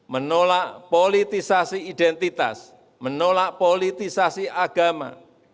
menolak politisasi identitas menolak politisasi agama